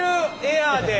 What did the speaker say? エアーで！